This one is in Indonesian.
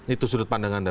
itu sudut pandangan anda